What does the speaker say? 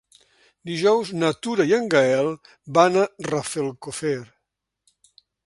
Dijous na Tura i en Gaël van a Rafelcofer.